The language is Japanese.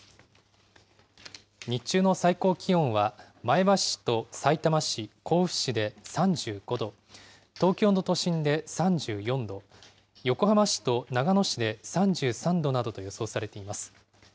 日中の最高気温は、前橋市とさいたま市、甲府市で３５度、東京の都心で３４度、横浜市と長野市で３３度などと予想されています。